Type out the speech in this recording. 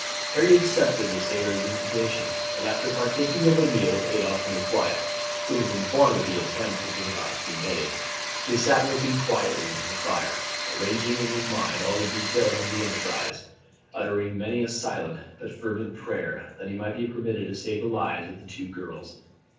Harry accepted the sailor's invitation; and after partaking of a meal with Adolphe and his wife, who was informed of the attempt which was about to be made, he sat looking quietly into the fire, arranging in his mind all the details of the enterprise, uttering many a silent but fervent prayer that he might be permitted to save the lives of the two girls.